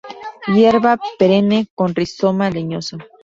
Hierba perenne con rizoma leñoso.